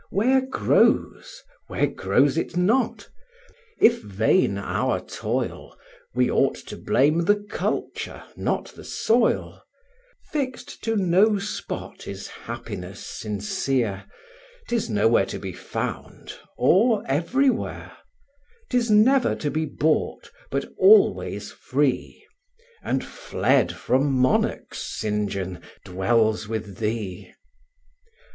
Where grows?—where grows it not? If vain our toil, We ought to blame the culture, not the soil: Fixed to no spot is happiness sincere, 'Tis nowhere to be found, or everywhere; 'Tis never to be bought, but always free, And fled from monarchs, St. John! dwells with thee.